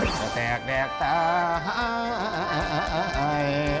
จะแดกตาย